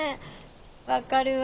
分かるわ。